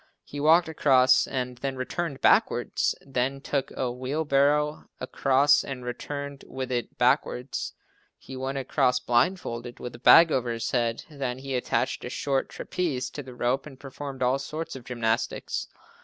He walked across and then returned backwards. Then took a wheel barrow across and returned with it backwards. He went across blindfolded with a bag over his head. Then he attached a short trapeze to the rope and performed all sorts of gymnastics.